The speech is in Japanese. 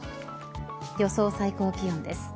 予想最高気温です。